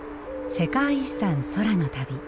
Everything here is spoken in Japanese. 世界遺産空の旅。